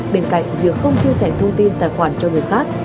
bên cạnh việc không chia sẻ thông tin tài khoản cho người khác